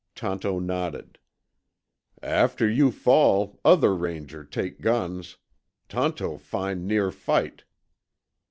Tonto nodded. "After you fall, other Ranger take guns. Tonto find near fight."